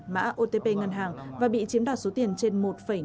mã otp ngân hàng và bị chiếm đoạt số tiền trên một năm